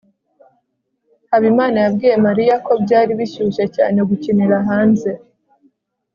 habimana yabwiye mariya ko byari bishyushye cyane gukinira hanze